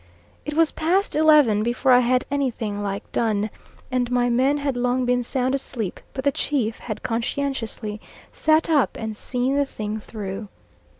It was past eleven before I had anything like done, and my men had long been sound asleep, but the chief had conscientiously sat up and seen the thing through.